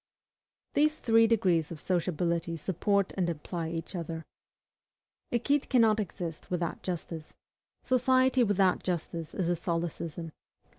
These three degrees of sociability support and imply each other. Equite cannot exist without justice; society without justice is a solecism.